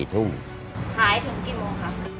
ขายถึงกี่โมงครับ